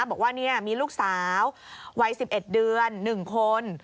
บอกว่ามีลูกสาววัย๑๑เดือน๑คน